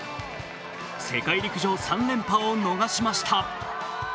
世界陸上３連覇を逃しました。